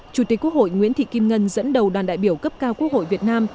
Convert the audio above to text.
chủ tịch quốc hội nguyễn thị kim ngân dẫn đầu đoàn đại biểu cấp cao quốc hội việt nam